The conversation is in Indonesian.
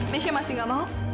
mesya masih enggak mau